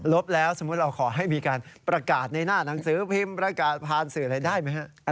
แล้วสมมุติเราขอให้มีการประกาศในหน้าหนังสือพิมพ์ประกาศผ่านสื่ออะไรได้ไหมฮะ